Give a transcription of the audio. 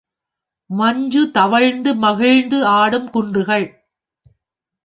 மஞ்சு தவழ்ந்து மகிழ்ந்து ஆடும் குன்றுகள்!